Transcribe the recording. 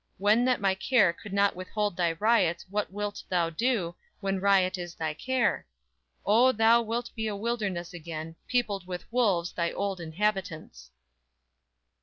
When that my care could not withhold thy riots What wilt thou do, when riot is thy care? O, thou wilt be a wilderness again, Peopled with wolves, thy old inhabitants!"